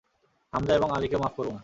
হামযা এবং আলীকেও মাফ করব না।